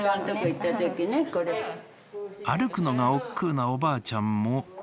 歩くのがおっくうなおばあちゃんも。